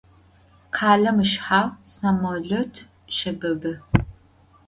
Khalem ışshağ samolöt şebıbı.